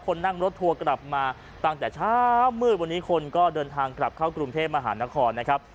นั่งรถทัวร์กลับมาตั้งแต่เช้ามืดวันนี้คนก็เดินทางกลับเข้ากรุงเทพมหานครนะครับ